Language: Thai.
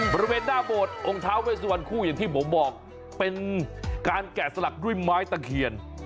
บริเวณหน้าโบสถ์องค์ท้าเวสวันคู่อย่างที่ผมบอกเป็นการแกะสลักด้วยไม้ตะเคียน